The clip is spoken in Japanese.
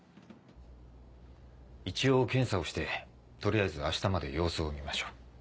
一応検査をして取りあえず明日まで様子を見ましょう。